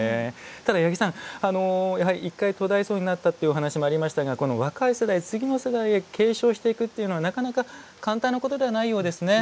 ただ八木さんやはり１回途絶えそうになったというお話がありましたがこの若い世代次の世代へ継承していくというのはなかなか簡単なことではそうですね。